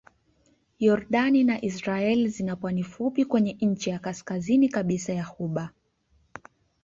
Yordani na Israel zina pwani fupi kwenye ncha ya kaskazini kabisa ya ghuba.